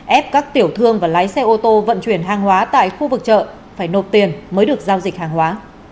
ép các tiểu thương và lái xe ô tô vận chuyển hàng hóa tại khu vực chợ phải nộp tiền mới được giao dịch hàng hóa